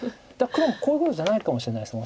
黒もこういうことじゃないかもしれないです